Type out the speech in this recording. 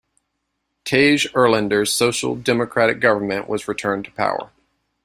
Tage Erlander's Social Democratic government was returned to power.